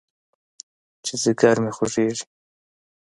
چې ځيگر مې خوږېږي.